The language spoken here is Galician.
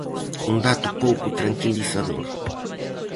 Un dato pouco tranquilizador.